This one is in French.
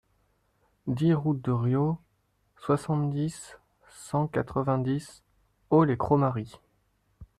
dix route de Rioz, soixante-dix, cent quatre-vingt-dix, Aulx-lès-Cromary